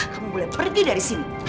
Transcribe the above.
kamu boleh pergi dari sini